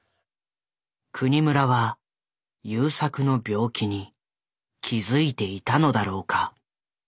國村は優作の病気に気付いていたのだろうか。